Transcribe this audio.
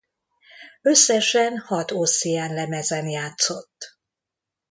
Összesen hat Ossian lemezen játszott.